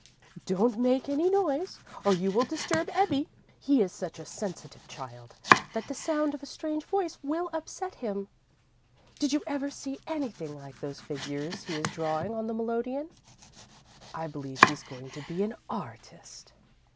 "Don't make any noise, or you will disturb Ebbie. He is such a sensitive child that the sound of a strange voice will upset him. Did you ever see anything like those figures he is drawing on the melodeon? I believe he's going to be an artist!"